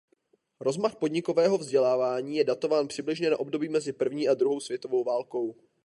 Rozmach podnikového vzdělávání je datován přibližně na období mezi první a druhou světovou válkou.